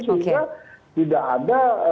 sehingga tidak ada